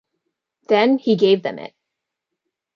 Then he gave them it.